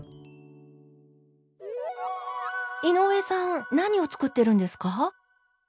井上さん何を作ってるんですか？